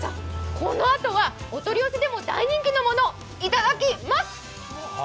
このあとはお取り寄せでも大人気のものをいただきます。